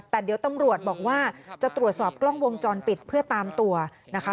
แต่เดี๋ยวตำรวจบอกว่าจะตรวจสอบกล้องวงจรปิดเพื่อตามตัวนะคะ